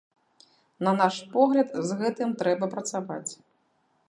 На наш погляд, з гэтым трэба працаваць.